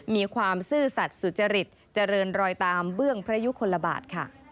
ความซื่อสัตว์สุจริตเจริญรอยตามเบื้องพระยุคลบาทค่ะ